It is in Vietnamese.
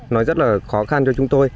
nó rất là khó khăn cho chúng tôi